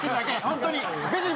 ホントに。